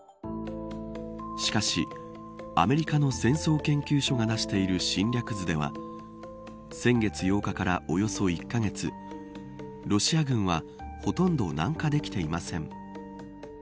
しかし、アメリカの戦争研究所が出している侵略図では先月８日からおよそ１カ月ロシア軍はほとんど南下できていません。